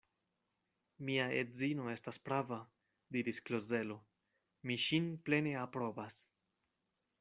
Mia edzino estas prava, diris Klozelo: mi ŝin plene aprobas.